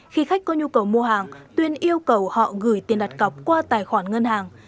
khi khách có nhu cầu mua hàng tuyên yêu cầu họ gửi tiền đặt cọc qua tài khoản ngân hàng